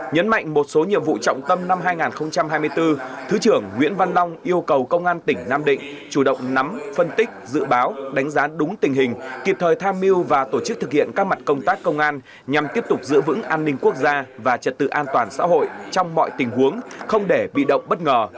nhấn mạnh một số nhiệm vụ trọng tâm năm hai nghìn hai mươi bốn thứ trưởng nguyễn văn long yêu cầu công an tỉnh nam định chủ động nắm phân tích dự báo đánh giá đúng tình hình kịp thời tham mưu và tổ chức thực hiện các mặt công tác công an nhằm tiếp tục giữ vững an ninh quốc gia và trật tự an toàn xã hội trong mọi tình huống không để bị động bất ngờ